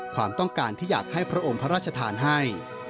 ความต้องการที่อยากให้พระองค์พระราชทานให้